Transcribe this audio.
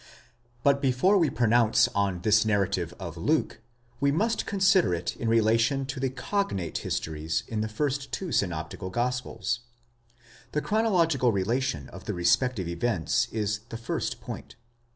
But before we pronounce on this narrative of Luke, we must consider it in relation to the cognate histories in the first two synoptical gospels. The chronological relation of the respective events is the first point.